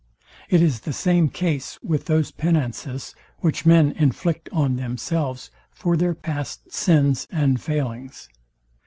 It is the same case with those penances, which men inflict on themselves for their past sins and failings.